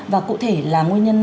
và cụ thể là nguyên nhân